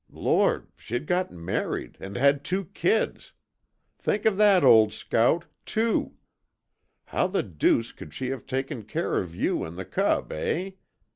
Lord, she'd got married, AND HAD TWO KIDS! Think of that, old scout TWO! How the deuce could she have taken care of you and the cub, eh?